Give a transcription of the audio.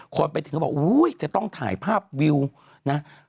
คนไปถึงก็บอกอุ้ยจะต้องถ่ายภาพวิวนะ